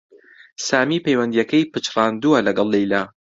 سامی پەیوەندییەکەی پچڕاندووە لەگەڵ لەیلا